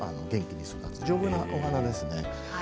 丈夫な花ですね。